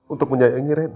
untuk menyayangi reina